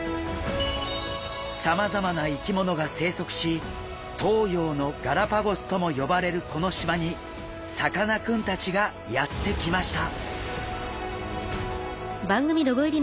さまざまな生き物が生息し東洋のガラパゴスとも呼ばれるこの島にさかなクンたちがやって来ました。